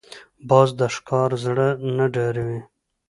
باز د ښکار زړه نه ډاروي